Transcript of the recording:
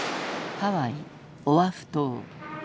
ハワイオアフ島。